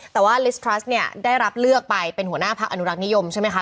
แต่ว่าลิสตรัสเนี่ยได้รับเลือกไปเป็นหัวหน้าพักอนุรักษ์นิยมใช่ไหมคะ